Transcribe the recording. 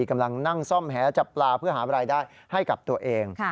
กำลังนั่งซ่อมแหจับปลาเพื่อหารายได้ให้กับตัวเอง